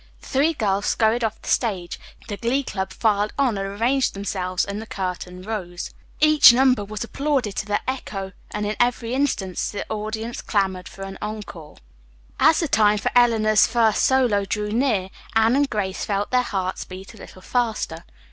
The three girls scurried off the stage, the Glee Club filed on and arranged themselves, and the curtain rose. Each number was applauded to the echo and in every instance the audience clamored for an encore. As the time for Eleanor's first solo drew near, Anne and Grace felt their hearts beat a little faster.